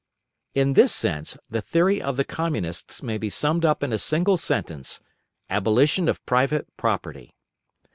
In this sense, the theory of the Communists may be summed up in the single sentence: Abolition of private property.